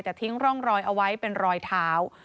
แต่ทิ้งร่องรอยเอาไว้เป็นรอยเท้า